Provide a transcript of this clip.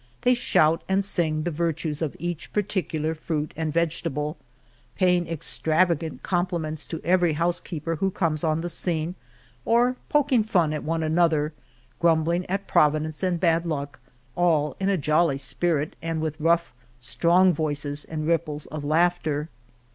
They shout and sing the virtues of each particular fruit and vegetable, paying extravagant compliments to every housekeeper who comes on the scene or pok ing fun at one another, grumbling at Provi dence and bad luck, all in a jolly spirit, and with rough, strong voices and ripples of laughter.